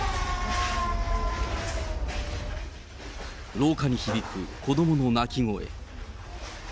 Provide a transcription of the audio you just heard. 廊下に響く子どもの泣き声。